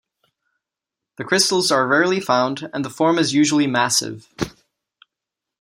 The crystals are rarely found and the form is usually massive.